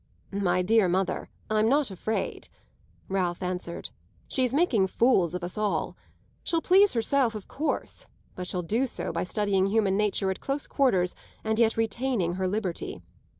"My dear mother, I'm not afraid," Ralph answered. "She's making fools of us all. She'll please herself, of course; but she'll do so by studying human nature at close quarters and yet retaining her liberty.